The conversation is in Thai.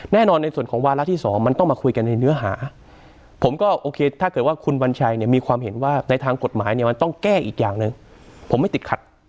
แน่นอนในส่วนของวาระที่สองมันต้องมาคุยกันในเนื้อหาผมก็โอเคถ้าเกิดว่าคุณวัญชัยเนี่ยมีความเห็นว่าในทางกฎหมายเนี่ยมันต้องแก้อีกอย่างหนึ่งผมไม่ติดขัด